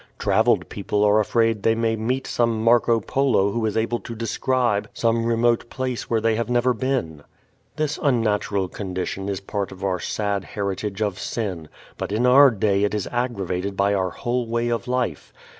Traveled people are afraid that they may meet some Marco Polo who is able to describe some remote place where they have never been. This unnatural condition is part of our sad heritage of sin, but in our day it is aggravated by our whole way of life.